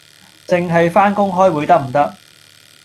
淨係返工開會得唔得？